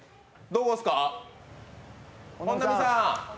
どこですか？